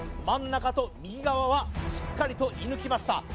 真ん中と右側はしっかりと射ぬきました